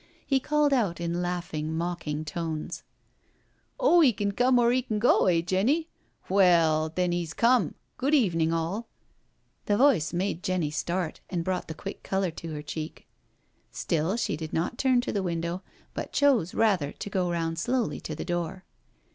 He called out in laughing, mocking tones: •• Oh, 'e can come or 'e can go, eh, Jenny? Well then, 'e's come— good evening, all I" The voice made Jenny start, and brought the quick colour to her cheek. Still she did not turn to the window, but chose rather to go round slowly to the door.